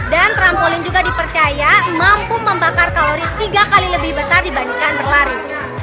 dan trampolin juga dipercaya mampu membakar kalori tiga kali lebih besar dibandingkan berlari